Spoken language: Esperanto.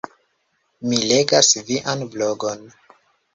Mi legas vian blogon